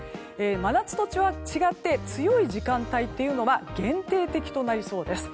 真夏とは違って強い時間帯というのは限定的となりそうです。